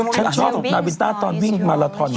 ฉันชอบนาวินต้าตอนวิ่งมาลาทอน